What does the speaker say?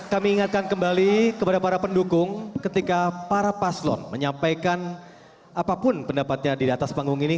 dan kami ingatkan kembali kepada para pendukung ketika para paslon menyampaikan apapun pendapatnya di atas panggung ini